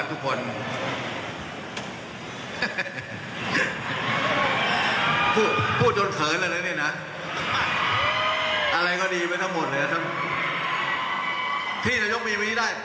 ที่จะยกมีบินี่ได้